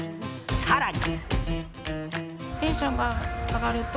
更に。